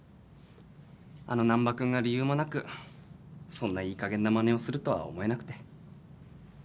あの難破君が理由もなくそんないいかげんなまねをするとは思えなくて。